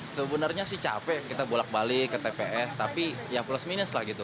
sebenarnya sih capek kita bolak balik ke tps tapi ya plus minus lah gitu